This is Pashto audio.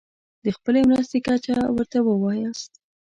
د خپلې مرستې کچه ورته ووایاست.